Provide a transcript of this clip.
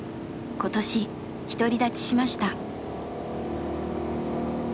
今年独り立ちしました。